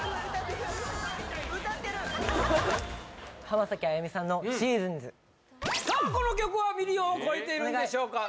浜崎あゆみさんの「ＳＥＡＳＯＮＳ」さあこの曲はミリオンを超えているんでしょうか？